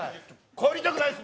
帰りたくないです！